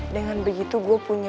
dengan begitu gue punya